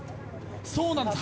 そうなんです。